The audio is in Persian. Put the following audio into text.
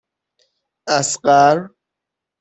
اصغر